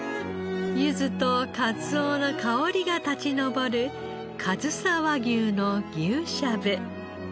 ゆずとカツオの香りが立ち上るかずさ和牛の牛しゃぶ。